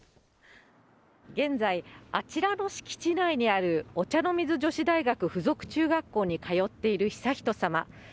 現在、あちらの敷地内にあるお茶の水女子大学附属中学校に通っている悠仁さま。